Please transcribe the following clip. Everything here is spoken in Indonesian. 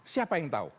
siapa yang tahu